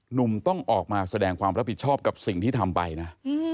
หนุ่มต้องออกมาแสดงความรับผิดชอบกับสิ่งที่ทำไปนะ